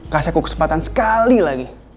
kasih aku kesempatan sekali lagi